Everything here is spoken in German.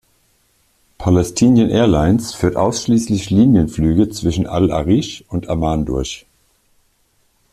Palestinian Airlines führt ausschließlich Linienflüge zwischen al-Arish und Amman durch.